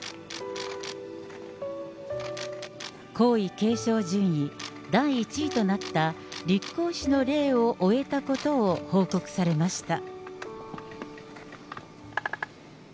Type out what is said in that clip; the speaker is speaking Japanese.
皇位継承順位第１位となった立皇嗣の礼を終えたことを報告されました。